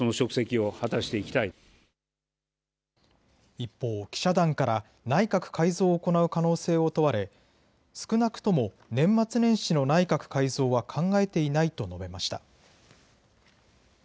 一方、記者団から内閣改造を行う可能性を問われ少なくとも年末年始の内閣改造は考えていないと述べました。